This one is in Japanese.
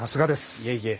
いえいえ。